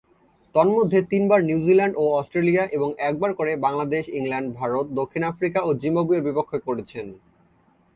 তন্মধ্যে, তিনবার নিউজিল্যান্ড ও অস্ট্রেলিয়া এবং একবার করে বাংলাদেশ, ইংল্যান্ড, ভারত, দক্ষিণ আফ্রিকা ও জিম্বাবুয়ের বিপক্ষে করেছেন।